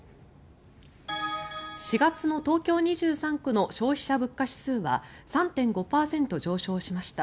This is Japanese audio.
４月の東京２３区の消費者物価指数は３．５％上昇しました。